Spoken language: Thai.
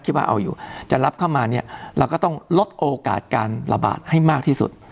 ว่าเอาอยู่จะรับเข้ามาเนี่ยเราก็ต้องลดโอกาสการระบาดให้มากที่สุด